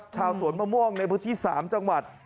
ชาวสวนมะม่วงในพฤติสามจังหวัด